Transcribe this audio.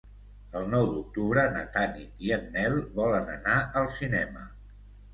El nou d'octubre na Tanit i en Nel volen anar al cinema.